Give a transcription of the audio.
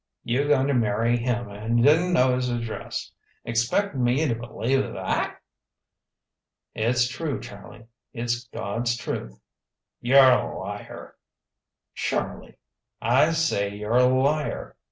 You going to marry him, and didn't know his address. Expect me to believe that?" "It's true, Charlie it's God's truth." "You're a liar!" "Charlie !" "I say, you're a liar!